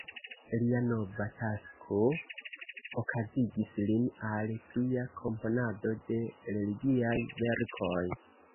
Lia nova tasko okazigis lin al plia komponado de religiaj verkoj.